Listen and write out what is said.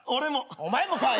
お前もかい！